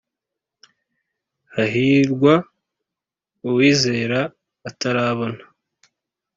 hahirwa uwizera atarabona